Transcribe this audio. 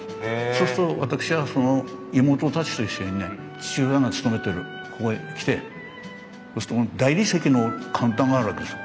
そうすると私はその妹たちと一緒にね父親が勤めてるここへ来てそうすると大理石のカウンターがあるわけですよ